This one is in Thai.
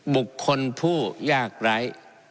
บุคคลผู้ยากไร้